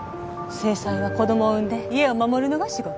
正妻は子供を産んで家を守るのが仕事。